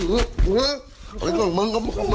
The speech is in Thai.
ไงบ้างมึงเอามาขอบคุณ